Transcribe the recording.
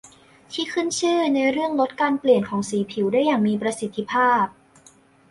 ที่ขึ้นชื่อในเรื่องลดการเปลี่ยนของสีผิวได้อย่างมีประสิทธิภาพ